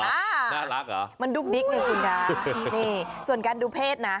น่ารักเหรอมันดุ๊กดิ๊กไงคุณคะนี่ส่วนการดูเพศนะ